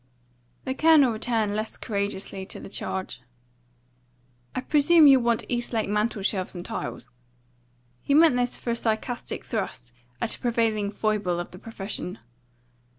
The Colonel returned less courageously to the charge. "I presume you'll want Eastlake mantel shelves and tiles?" He meant this for a sarcastic thrust at a prevailing foible of the profession.